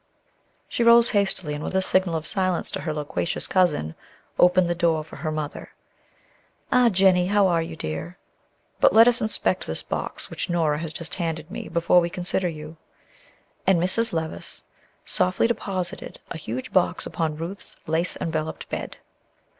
She rose hastily, and with a signal of silence to her loquacious cousin, opened the door for her mother. "Ah, Jennie, how are your, dear? But let us inspect this box which Nora has just handed me, before we consider you;" and Mrs. Levice softly deposited a huge box upon Ruth's lace enveloped bed.